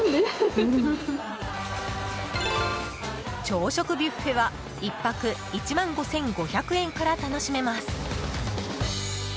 朝食ビュッフェは１泊１万５５００円から楽しめます。